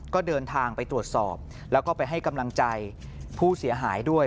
ก็เดินทางไปตรวจสอบแล้วก็ไปให้กำลังใจผู้เสียหายด้วย